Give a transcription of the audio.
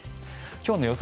今日の予想